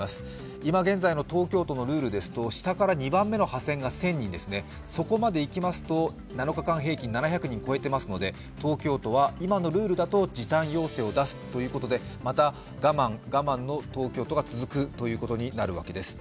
今現在の東京都のルールですと下から３番目の波線、そこまでいきますと、７日間平均７００人を超えているので東京都は今のルールだと時短要請を出すということでまた我慢、我慢の東京都が続くということになるわけです。